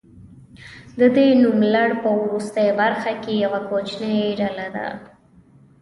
د دې نوملړ په وروستۍ برخه کې یوه کوچنۍ ډله ده.